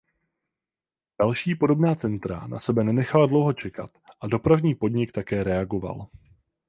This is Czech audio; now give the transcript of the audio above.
Další podobná centra na sebe nenechala dlouho čekat a Dopravní podnik také reagoval.